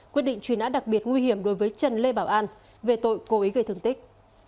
quyết định truy nã đặc biệt nguy hiểm đối với trần lê bảo an về tội cố ý gây thương tích